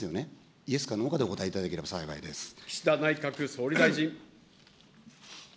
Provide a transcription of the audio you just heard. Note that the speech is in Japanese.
イエスかノーかでお答えいただけ岸田内閣総理大臣。